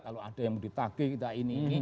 kalau ada yang ditage kita ini